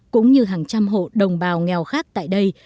cũng như hàng trăm hộ đồng bào nghèo khác tại đây